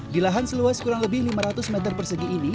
di lahan seluas kurang lebih lima ratus meter persegi ini